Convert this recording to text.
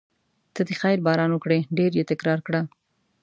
ته د خیر باران وکړې ډېر یې تکرار کړه.